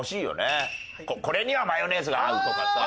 「これにはマヨネーズが合う」とかさ。